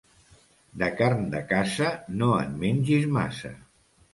De carn de caça, no en mengis massa.